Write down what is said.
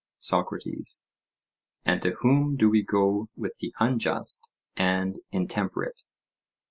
SOCRATES: And to whom do we go with the unjust and intemperate?